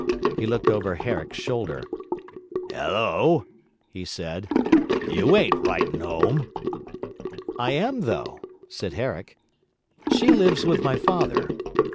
He looked over Herrick's shoulder. 'Hullo,' he said, 'you ain't writing 'ome.' 'I am, though,' said Herrick; 'she lives with my father.